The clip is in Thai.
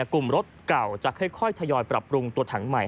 กลุ่มรถเก่าจะค่อยทยอยปรับปรุงตัวถังใหม่